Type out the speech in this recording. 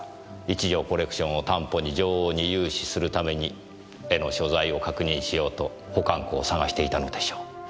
一条コレクションを担保に女王に融資するために絵の所在を確認しようと保管庫を探していたのでしょう。